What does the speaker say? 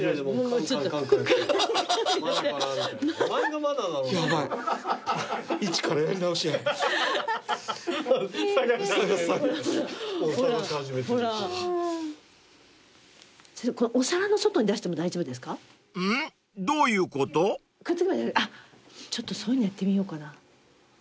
ちょっとそういうのやってみようかな。